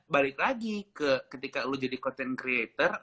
balik lagi ke ketika lo jadi content creator